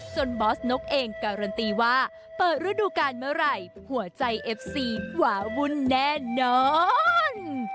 บอสนกเองการันตีว่าเปิดฤดูการเมื่อไหร่หัวใจเอฟซีหวาวุ่นแน่นอน